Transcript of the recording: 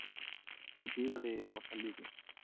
Nativa de Mozambique.